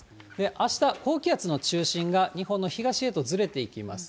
あした、高気圧の中心が日本の東へとずれていきます。